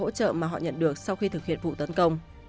họ đã nói về sự hỗ trợ mà họ nhận được sau khi thực hiện vụ tấn công